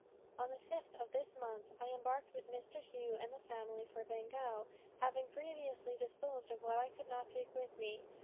On the 5th of this month, I embarked with Mr. Hough and family for Bengal, having previously disposed of what I could not take with me....